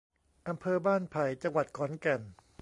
อำเภอบ้านไผ่ จังหวัดขอนแก่น